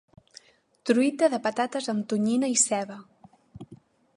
Truita de patates amb tonyina i ceba